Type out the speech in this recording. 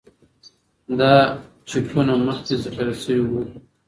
دا چېپونه مخکې ذخیره شوي وو.